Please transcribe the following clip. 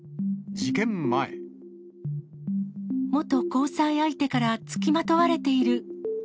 元交際相手から付きまとわれている。